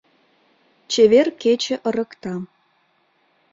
Чевер кече ырыкта